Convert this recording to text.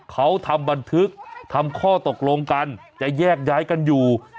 เขาทำบันทึกทำข้อตกลงกันจะแยกย้ายกันอยู่